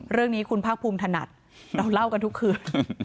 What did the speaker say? เรื่องนี้คุณภาคภูมิถนัดเราเล่ากันทุกคืน